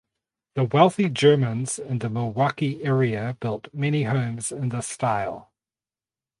The wealthy Germans in the Milwaukee area built many homes in the style.